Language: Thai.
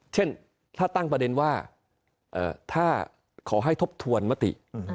เช่นถ้าตั้งประเด็นว่าถ้าขอให้ทบทวนมติ